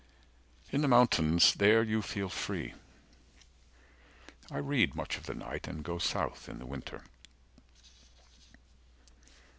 In the mountains, there you feel free. I read, much of the night, and go south in the winter.